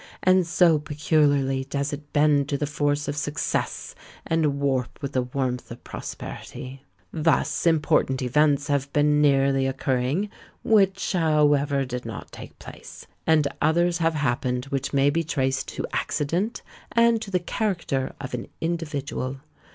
and so peculiarly does it bend to the force of success, and warp with the warmth of prosperity! Thus important events have been nearly occurring, which, however, did not take place; and others have happened which may be traced to accident, and to the character of an individual.